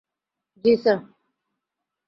জ্বি, স্যার।